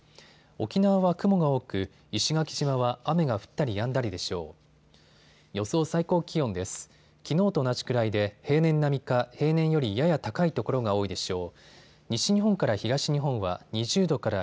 沖縄は雲が多く石垣島は雨が降ったりやんだりでしょう。